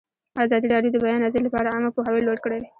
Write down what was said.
ازادي راډیو د د بیان آزادي لپاره عامه پوهاوي لوړ کړی.